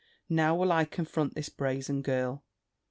Now will I confront this brazen girl!